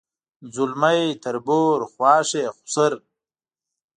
ځلمی تربور خواښې سخر